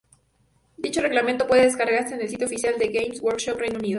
Dicho reglamento puede descargarse del sitio oficial de Games Workshop Reino Unido.